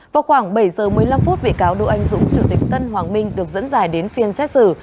vào khoảng bảy giờ một mươi năm phút bị cáo đỗ anh dũng chủ tịch tân hoàng minh được dẫn dài đến phiên xét xử